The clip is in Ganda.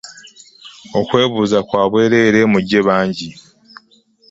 Okwebuuza kwa bwereere mujje bangi.